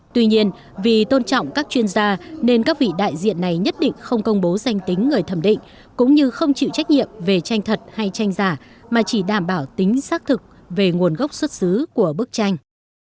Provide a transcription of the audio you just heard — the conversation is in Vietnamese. tuy nhiên vì tôn trọng các chuyên gia nên các vị đại diện này nhất định không công bố danh tính người thẩm định cũng như không chịu trách nhiệm về tranh thật hay tranh giả mà chỉ đảm bảo tính xác thực về nguồn gốc xuất xứ của bức tranh